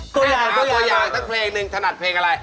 ตัวอย่างก็ตัวอย่างสักเพลงหนึ่งถนัดเพลงอะไร